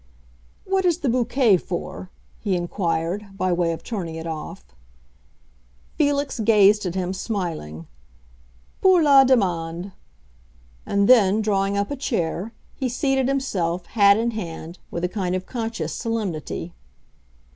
"What is the bouquet for?" he inquired, by way of turning it off. Felix gazed at him, smiling. "Pour la demande!" And then, drawing up a chair, he seated himself, hat in hand, with a kind of conscious solemnity.